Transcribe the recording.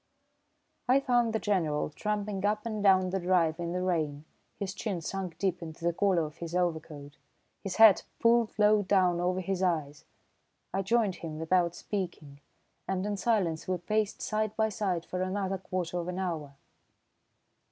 I found the General tramping up and down the drive in the rain, his chin sunk deep into the collar of his overcoat, his hat pulled low down over his eyes. I joined him without speaking, and in silence we paced side by side for another quarter of an hour.